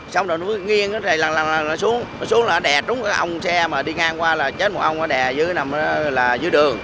xong rồi nó nghiêng nó xuống nó xuống là đè trúng cái ông xe mà đi ngang qua là chết một ông nó đè dưới nằm dưới đường